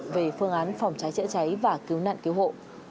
về phương án phòng cháy chữa cháy và cứu nạn cứu hộ